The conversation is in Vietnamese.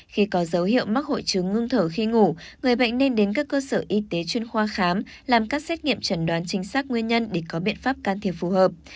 khi có dấu hiệu mắc hội chứng ngưng thở khi ngủ người bệnh nên đến các cơ sở y tế chuyên khoa khám làm các xét nghiệm chẩn đoán chính xác nguyên nhân để có biện pháp can thiệp phù hợp